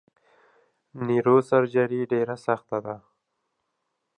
نیوروسرجري ډیره سخته ده!